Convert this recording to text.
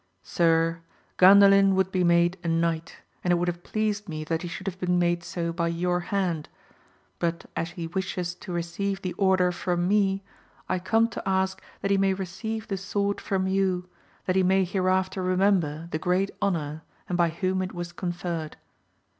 Sir, GandaUn would b^ made a knight, and it would have pleased me that he should have been made so by your hand ; but as he wishes to receive the order from me, I come to ask that he may receive the sword from you, that he may hereafter remember the great honour and by whom it wal,s conferred.